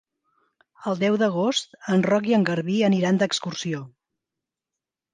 El deu d'agost en Roc i en Garbí aniran d'excursió.